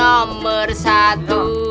karena beringkatku nomor satu